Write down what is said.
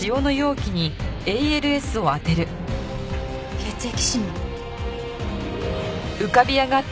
血液指紋。